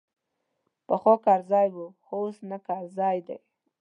پخوا کرزی وو خو اوس نه کرزی دی.